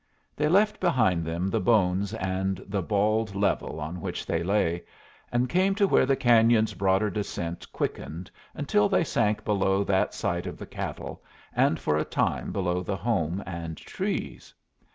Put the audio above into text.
They left behind them the bones and the bald level on which they lay, and came to where the cañon's broader descent quickened until they sank below that sight of the cattle, and for a time below the home and trees.